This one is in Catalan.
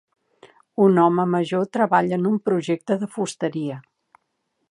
Un home major treballa en un projecte de fusteria.